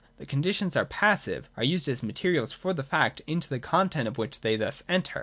(3) The conditions are passive, are used as materials for the fact, into the content of which they thus enter.